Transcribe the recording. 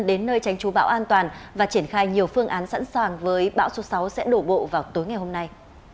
đến nơi tránh chú bão an toàn và triển khai nhiều phương án sẵn sàng với bão số sáu sẽ đổ bộ vào tối ngày hôm nay